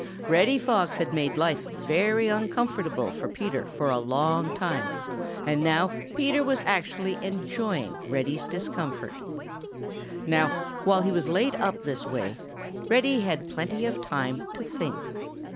Reddy Fox had made life very uncomfortable for Peter for a long time, and now Peter was actually enjoying Reddy's discomfort. Now, while he was laid up this way, Reddy had plenty of time to think.